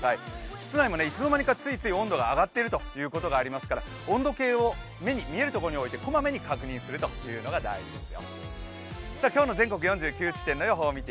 室内もいつの間にかついつい温度が上がっていることもありますから温度計を目に見えるところに置いて小まめに確認することが大事です。